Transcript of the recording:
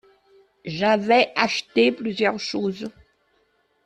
J'avais acheté plusieurs choses.